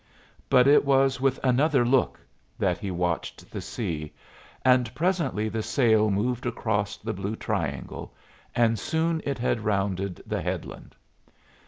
But it was with another look that he watched the sea; and presently the sail moved across the blue triangle, and soon it had rounded the headland.